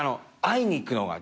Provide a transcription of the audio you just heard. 会いに行くのが。